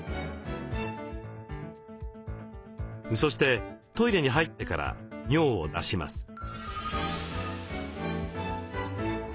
そしてトイレに入ってから尿を出します。